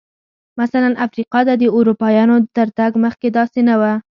مثلاً افریقا ته د اروپایانو تر تګ مخکې داسې نه و.